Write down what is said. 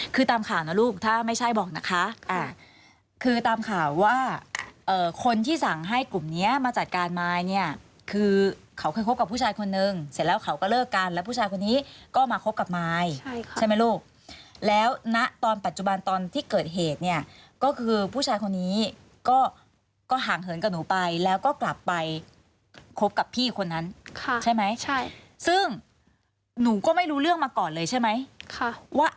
คือตามข่าวนะลูกถ้าไม่ใช่บอกนะคะคือตามข่าวว่าคนที่สั่งให้กลุ่มนี้มาจัดการมายเนี่ยคือเขาเคยคบกับผู้ชายคนนึงเสร็จแล้วเขาก็เลิกกันแล้วผู้ชายคนนี้ก็มาคบกับมายใช่ไหมลูกแล้วณตอนปัจจุบันตอนที่เกิดเหตุเนี่ยก็คือผู้ชายคนนี้ก็ห่างเหินกับหนูไปแล้วก็กลับไปคบกับพี่คนนั้นใช่ไหมใช่ซึ่งหนูก็ไม่รู้เรื่องมาก่อนเลยใช่ไหมว่า